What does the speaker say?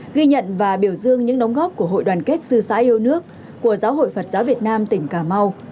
ghi nhận và biểu dương những đóng góp của hội đoàn kết sư sãi yêu nước của giáo hội phật giáo việt nam tỉnh cà mau